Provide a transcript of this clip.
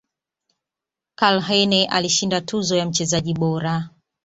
Karlheine alishinda tuzo ya mchezaji bora